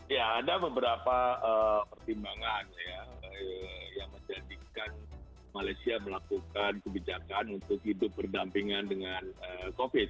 ya ada beberapa pertimbangan ya yang menjadikan malaysia melakukan kebijakan untuk hidup berdampingan dengan covid